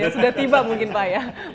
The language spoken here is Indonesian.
sudah tiba mungkin pak ya